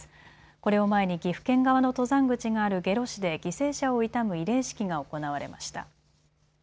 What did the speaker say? これを前に岐阜県側の登山口がある下呂市で犠牲者を悼む慰霊式が行われました。